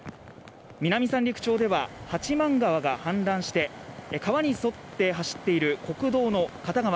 南三陸町では八幡川が氾濫して川に沿って走っている国道の片側